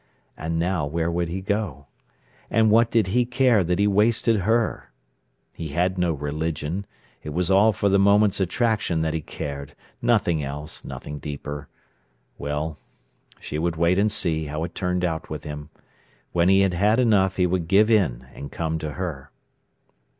And now where would he go? And what did he care that he wasted her? He had no religion; it was all for the moment's attraction that he cared, nothing else, nothing deeper. Well, she would wait and see how it turned out with him. When he had had enough he would give in and come to her.